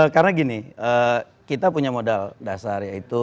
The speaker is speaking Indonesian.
karena gini kita punya modal dasar yaitu